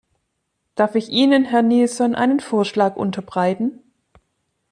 Darf ich Ihnen, Herr Nielson, einen Vorschlag unterbreiten?